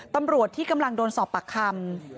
ตำรวจที่กำลังโดนสอบปากคำ